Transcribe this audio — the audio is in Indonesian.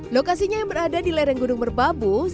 lokasinya yang berada di lereng gunung merbabus